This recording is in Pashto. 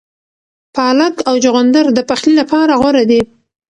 پالک او چغندر د پخلي لپاره غوره دي.